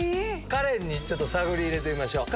カレンに探り入れてみましょう。